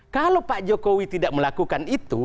kalau pak jokowi tidak melakukan itu